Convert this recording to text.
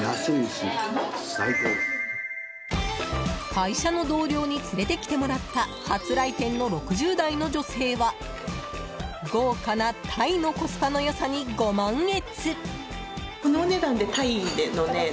会社の同僚につれてきてもらった初来店の６０代の女性は豪華なタイのコスパの良さにご満悦。